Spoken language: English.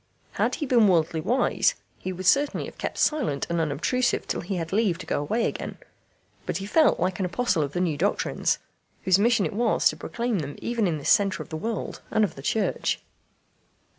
Had he been worldly wise, he would certainly have kept silent and unobtrusive till he had leave to go away again. But he felt like an apostle of the new doctrines, whose mission it was to proclaim them even in this centre of the world and of the Church.